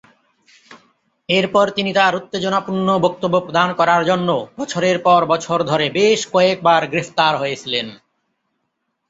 এরপর তিনি তার উত্তেজনাপূর্ণ বক্তব্য প্রদান করার জন্য বছরের পর বছর ধরে বেশ কয়েকবার গ্রেফতার হয়েছিলেন।